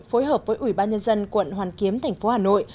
phối hợp với ủy ban nhân dân quận hoàn kiếm tp hà nội